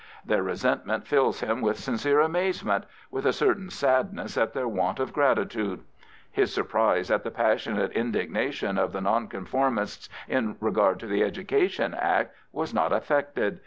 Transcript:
Their resentment fills him with sincere amazement — with a certain sadness at their want of gratitude. His surprise at the passionate indignation of the Nonconformists in regard to the Education Act was not affected.